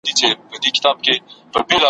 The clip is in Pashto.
بې وسلې وو وارخطا په زړه اوتر وو ,